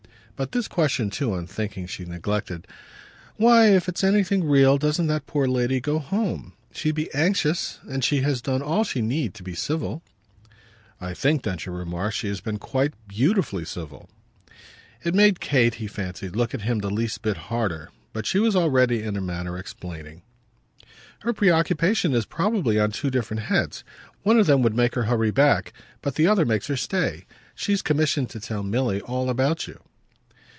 But this question too, on thinking, she neglected. "Why, if it's anything real, doesn't that poor lady go home? She'd be anxious, and she has done all she need to be civil." "I think," Densher remarked, "she has been quite beautifully civil." It made Kate, he fancied, look at him the least bit harder; but she was already, in a manner, explaining. "Her preoccupation is probably on two different heads. One of them would make her hurry back, but the other makes her stay. She's commissioned to tell Milly all about you."